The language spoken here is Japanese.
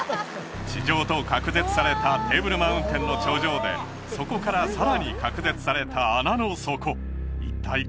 地上と隔絶されたテーブルマウンテンの頂上でそこからさらに隔絶された穴の底一体